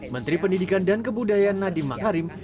menteri pendidikan dan kebudayaan nadiem makarim